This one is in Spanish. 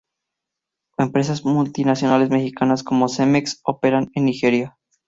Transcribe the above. Empresas multinacionales mexicanas como Cemex operan en Nigeria.